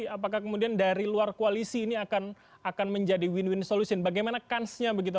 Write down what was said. apakah kemudian dari luar koalisi ini akan menjadi win win solution bagaimana kansnya begitu